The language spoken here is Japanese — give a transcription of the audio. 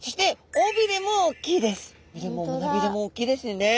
尾びれも胸びれも大きいですよね。